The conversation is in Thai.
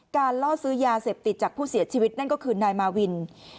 ล่อซื้อยาเสพติดจากผู้เสียชีวิตนั่นก็คือนายมาวิน